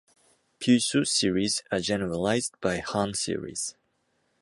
Puiseux series are generalized by Hahn series.